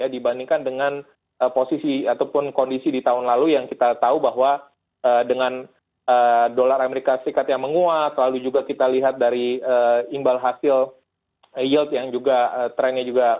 dibandingkan dengan posisi ataupun kondisi di tahun lalu yang kita tahu bahwa dengan dolar as yang menguat lalu juga kita lihat dari imbal hasil yield yang juga trennya juga